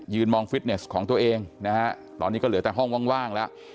มองฟิตเนสของตัวเองนะฮะตอนนี้ก็เหลือแต่ห้องว่างแล้ว